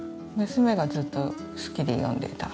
娘がずっと好きで読んでた。